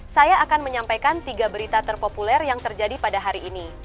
saya akan menyampaikan tiga berita terpopuler yang terjadi pada hari ini